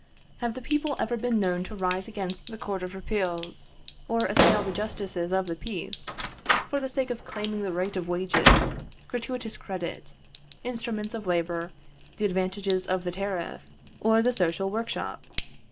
Have the people ever been known to rise against the court of repeals, or assail the justices of the peace, for the sake of claiming the rate of wages, gratuitous credit, instruments of labour, the advantages of the tariff, or the social workshop?